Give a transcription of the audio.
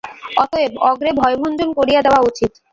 অতএব অগ্রে ভয়ভঞ্জন করিয়া দেওয়া উচিত।